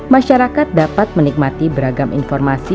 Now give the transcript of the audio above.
masyarakat dapat menikmati beragam informasi